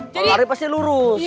kalau lari pasti lurus